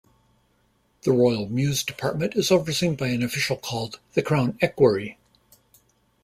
The Royal Mews Department is overseen by an official called the Crown Equerry.